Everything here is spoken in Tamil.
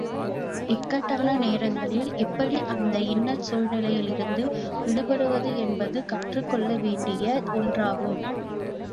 இக்கட்டான நேரங்களில் எப்படி அந்த இன்னல் சூழ்நிலையிலிருந்து விடுபடுவது என்பதும் கற்றுக் கொள்ளப்பட வேண்டிய ஒன்றாகும்.